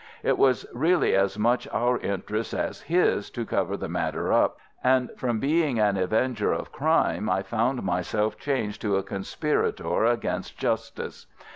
It was really as much our interest as his to cover the matter up, and from being an avenger of crime I found myself changed to a conspirator against Justice.